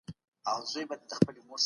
ګوندونه غواړي د خلګو ملاتړ ترلاسه کړي.